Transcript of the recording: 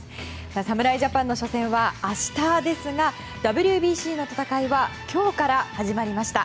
侍ジャパンの初戦は明日ですがＷＢＣの戦いは今日から始まりました。